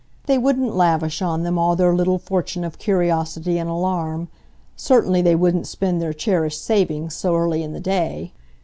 They wouldn't lavish on them all their little fortune of curiosity and alarm; certainly they wouldn't spend their cherished savings so early in the day.